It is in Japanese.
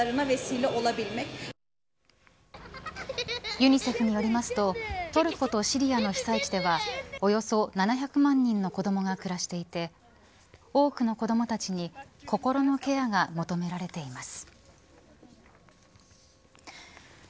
ユニセフによりますとトルコとシリアの被災地ではおよそ７００万人の子どもが暮らしていて多くの子どもたちに心のケアが求められています。